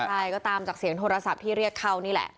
ใช่ก็ตามจากเสียงโทรศัพท์ที่เรียกเข้านี่แหละ